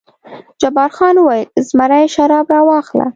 جبار خان وویل: زمري شراب راواخله.